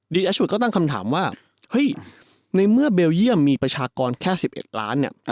แอชวิตก็ตั้งคำถามว่าเฮ้ยในเมื่อเบลเยี่ยมมีประชากรแค่๑๑ล้านเนี่ย